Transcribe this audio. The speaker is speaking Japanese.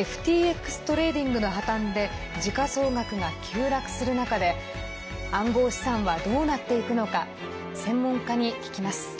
ＦＴＸトレーディングの破綻で時価総額が急落する中で暗号資産は、どうなっていくのか専門家に聞きます。